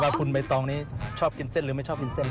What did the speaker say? คุณใบตองนี้ชอบกินเส้นหรือไม่ชอบกินเส้น